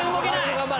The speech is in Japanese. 頑張れ。